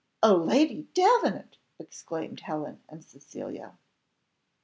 Oh Lady Davenant!" exclaimed Helen and Cecilia.